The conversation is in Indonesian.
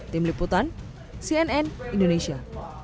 tim liputan cnn indonesia